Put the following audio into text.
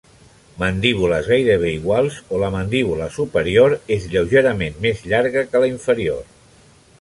Mandíbules gairebé iguals o la mandíbula superior és lleugerament més llarga que la inferior.